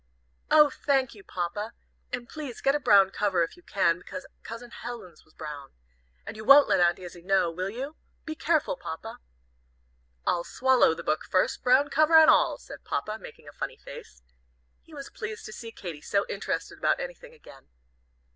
"Oh, thank you, Papa! And please get a brown cover, if you can, because Cousin Helen's was brown. And you won't let Aunt Izzie know, will you? Be careful, Papa!" "I'll swallow the book first, brown cover and all," said Papa, making a funny face. He was pleased to see Katy so interested about anything again.